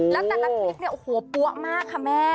แล้วแต่ละคลิปเนี่ยโอ้โหปั๊วมากค่ะแม่